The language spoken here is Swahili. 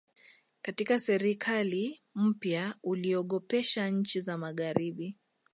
katika serikali mpya uliogopesha nchi za magharibi